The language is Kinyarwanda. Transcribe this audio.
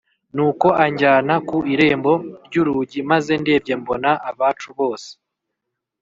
Nuko anjyana ku irembo ry urugi maze ndebye mbona abcu bose